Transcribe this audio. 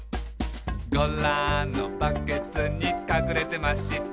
「ゴラのバケツにかくれてました」